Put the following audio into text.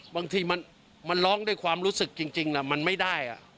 บางทีมันร้องด้วยความรู้สึกจริงมันไม่ได้